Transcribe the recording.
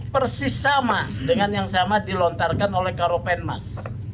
persis sama dengan yang sama dilontarkan oleh karopenmas